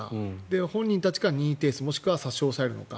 本人たちから任意提出もしくは差し押さえるのか。